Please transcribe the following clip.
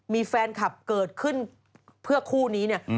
มีแฟนคลับเกิดขึ้นเพื่อคู่นี้เนี่ย